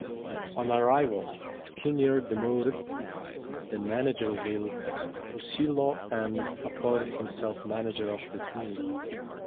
On arrival, Kinnear demoted then-manager Lil Fuccillo and appointed himself manager of the team.